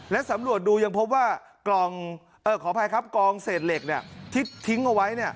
และสำรวจดูผมว่ากองเสร็จเหล็กทิ้งไว้